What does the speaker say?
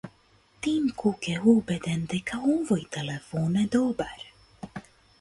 Тим Кук е убеден дека овој телефон е добар